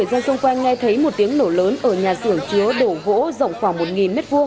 người dân xung quanh nghe thấy một tiếng nổ lớn ở nhà xưởng chứa đổ gỗ rộng khoảng một m hai